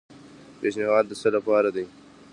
پیشنھاد د څه لپاره دی؟